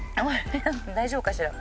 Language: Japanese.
大丈夫かしら。